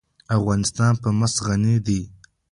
افغانستان په مس غني دی.